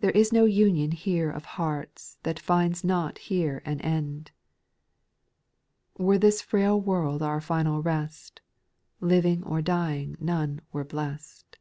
There is no union here of hearts That finds not here an end : Were this frail world our final rest, Living or dying none were blest.